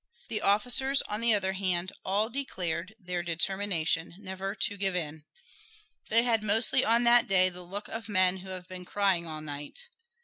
The officers, on the other hand, all declared their determination never to give in. They had mostly on that day the look of men who have been crying all night.